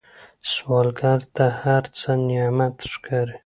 سوالګر ته هر څه نعمت ښکاري